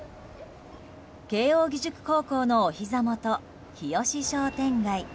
慶應義塾高校のおひざ元、日吉商店街。